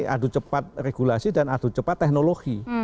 adu cepat regulasi dan adu cepat teknologi